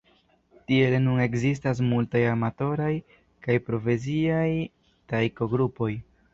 Tiele nun ekzistas multaj amatoraj kaj profesiaj Taiko-grupoj.